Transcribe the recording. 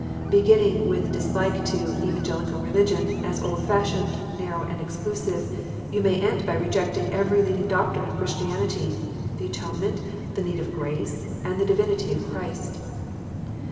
Begin ning with dislike to "Evangelical religion," as old fashioned, narrow, and exclusive, you may end by rejecting every leading doctrine of Christianity, the atonement, the need of grace, and the divinity of Christ.